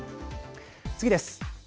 次です。